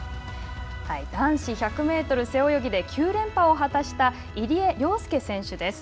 男子１００メートル背泳ぎで９連覇を果たした入江陵介選手です。